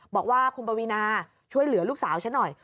บอกว่าคุณปวีนาช่วยเหลือลูกสาวฉันหน่อย